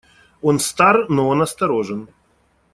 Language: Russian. Он стар, но он осторожен.